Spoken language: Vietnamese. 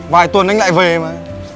vài tuần anh lại về mà